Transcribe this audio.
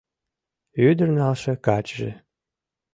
Ӱдыр налше качыже